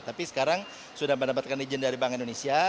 tapi sekarang sudah mendapatkan izin dari bank indonesia